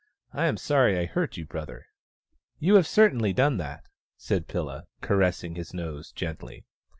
I am sorry I hurt you, brother." " You have certainly done that," said Pilla, caressing his nose gently.